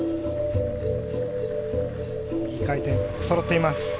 そろっています。